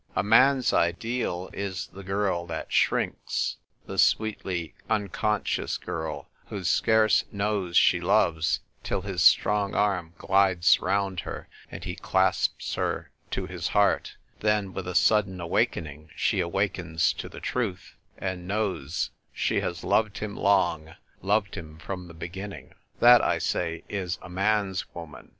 A man's ideal is the girl that shrinks ; the sweetly unconscious girl, who scarce knows she loves, till his strong arm glides round her, and he clasps her to his heart : then, with a sudden awakening, she awakens to the truth, and knows she has 200 THE TYPE WRITER GIRL. loved him long, loved him from the beginning. That, I say, is a man's woman.